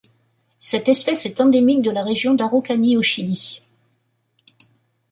Cette espèce est endémique de la région d'Araucanie au Chili.